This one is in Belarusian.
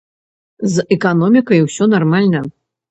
З эканомікай усё нармальна.